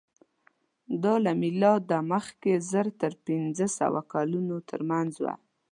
دا له مېلاده مخکې زر تر پینځهسوه کلونو تر منځ وو.